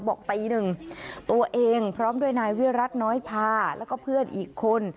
ตีหนึ่งตัวเองพร้อมด้วยนายวิรัติน้อยพาแล้วก็เพื่อนอีกคน